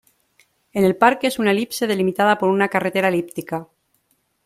El parque es una elipse delimitada por una carretera elíptica.